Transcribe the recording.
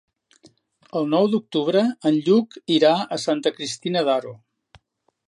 El nou d'octubre en Lluc irà a Santa Cristina d'Aro.